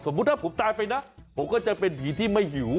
ถ้าผมตายไปนะผมก็จะเป็นผีที่ไม่หิว